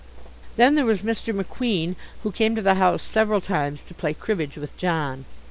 Then there was Mr. McQueen, who came to the house several times to play cribbage with John.